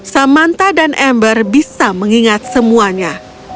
samantha dan ember bisa mengingat semuanya